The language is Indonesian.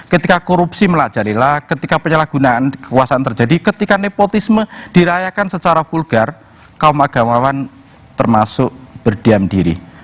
ketika korupsi melajarilah ketika penyalahgunaan kekuasaan terjadi ketika nepotisme dirayakan secara vulgar kaum agamawan termasuk berdiam diri